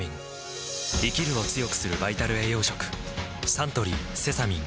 サントリーセサミン